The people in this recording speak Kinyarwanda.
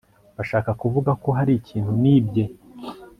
Urashaka kuvuga ko hari ikintu nibye